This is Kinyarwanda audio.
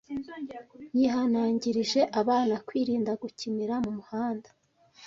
Yihanangirije abana kwirinda gukinira mu muhanda.